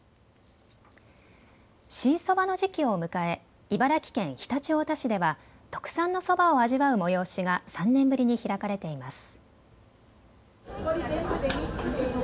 新そばの時期を迎え茨城県常陸太田市では特産のそばを味わう催しが３年ぶりに開かれています。